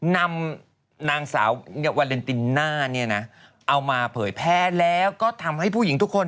นำนางสาววาเลนติน่าเนี่ยนะเอามาเผยแพร่แล้วก็ทำให้ผู้หญิงทุกคน